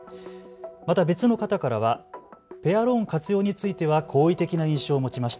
また別の方からはペアローン活用については行為的な印象を持ちました。